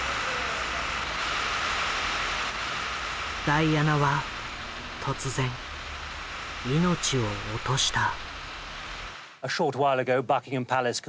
ダイアナは突然命を落とした。